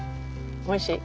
おいしい？